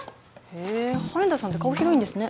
へえ羽田さんって顔広いんですね